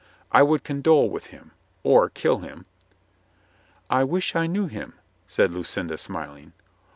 I would condole with him — or kill him." "I wish I knew him," said Lucinda, smiling.